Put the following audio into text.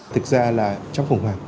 thực ra là trong khủng hoảng